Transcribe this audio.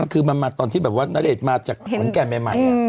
คือมันมาตอนที่น้าเดชน์มาจากขวัญแก่มใหม่